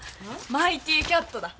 マイティキャットだ。